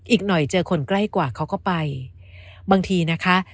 อีกหน่อยเจอคนใกล้กว่าเขาก็ไปบางทีนะคะ